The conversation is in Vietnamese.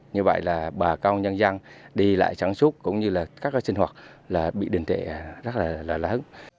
như vậy là bà cao nhân dân đi lại sản xuất cũng như là các sinh hoạt là bị đền tệ rất là lớn